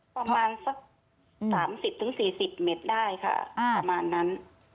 ประมาณสัก๓๐๔๐เมตรได้ค่ะประมาณนั้น